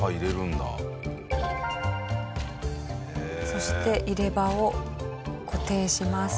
そして入れ歯を固定します。